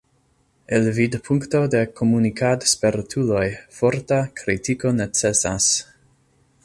El vidpunkto de komunikad-spertuloj forta kritiko necesas.